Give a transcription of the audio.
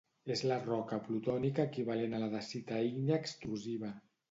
És la roca plutònica equivalent a la dacita ígnia extrusiva.